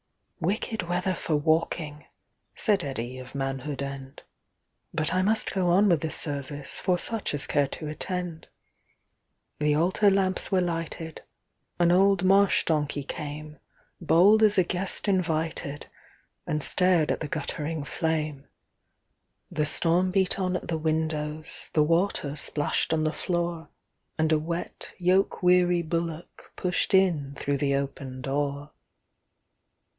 "'Wicked weather for walking,"Said Eddi of Manhood End."But I must go on with the serviceFor such as care to attend."The altar lamps were lighted,—An old marsh donkey came, Bold as a guest invited, And stared at the guttering flame. The storm beat on at the windows, The water splashed on the floor, And a wet, yoke weary bullockPushed in through the open door.